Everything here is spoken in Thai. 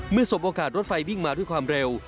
สบโอกาสรถไฟวิ่งมาด้วยความเร็ว